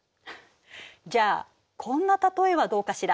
じゃあこんな例えはどうかしら。